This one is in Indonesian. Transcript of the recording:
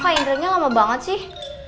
kok kak indra nya lama banget sih